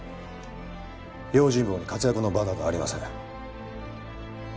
用心棒に活躍の場などありません。